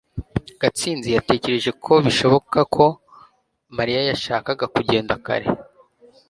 gatsinzi yatekereje ko bishoboka ko mariya yashakaga kugenda kare